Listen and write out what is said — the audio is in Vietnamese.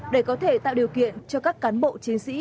để có thể tạo điều kiện cho các cán bộ chiến sĩ